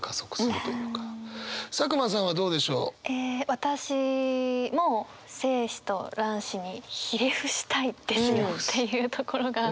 私も「精子と卵子にひれ伏したいですよ」っていうところが。